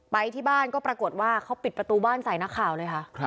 ไปที่บ้านก็ปรากฏว่าเขาปิดประตูบ้านใส่นักข่าวเลยค่ะ